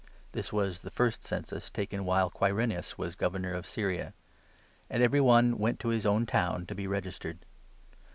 (This was the 2 first census taken while Quirinius was Governor of Syria). And every one went to his own town to be regis 3 tered.